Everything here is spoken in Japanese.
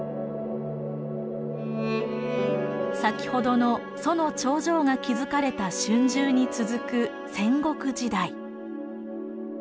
先ほどの楚の長城が築かれた春秋に続く戦国時代。